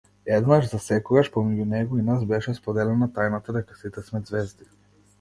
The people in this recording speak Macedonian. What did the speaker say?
Еднаш засекогаш, помеѓу него и нас, беше споделена тајната дека сите сме ѕвезди.